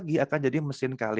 mereka akan saling melengkapi